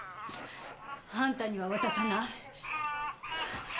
あんたには渡さない。